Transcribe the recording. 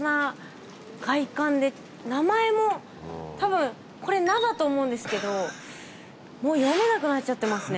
名前もたぶんこれ「な」だと思うんですけどもう読めなくなっちゃってますね